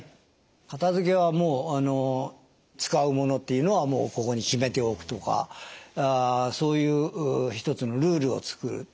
片付けはもう使うものっていうのはここに決めておくとかそういう一つのルールを作ると。